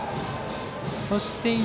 そして、